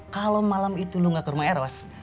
kalau malam itu lu gak ke rumah eros